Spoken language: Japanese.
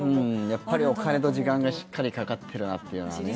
やっぱりお金と時間がしっかりかかっているなっていうのはね。